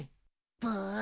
ブー。